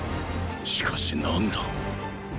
しかし何だ。